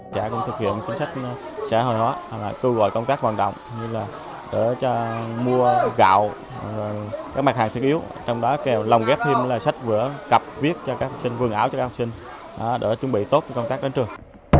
chúng tôi cũng thực hiện chính sách xã hội hóa cưu gọi công tác hoàn động như là để cho mua gạo các mặt hàng thiết yếu trong đó kèo lồng ghép thêm sách vừa cập viết cho các học sinh vườn áo cho các học sinh để chuẩn bị tốt cho công tác đến trường